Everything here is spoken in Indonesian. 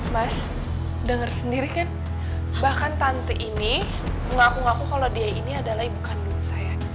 mas denger sendiri kan bahkan tante ini mengaku ngaku kalau dia ini adalah ibu kandung saya